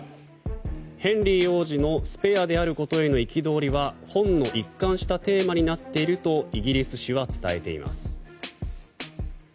ヘンリー王子のスペアであることへの憤りは本の一貫したテーマになっているとイギリス紙は伝えています。